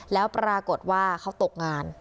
แล้วปรากฏว่าเขาตกงาน